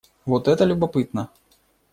Вот это любопытно.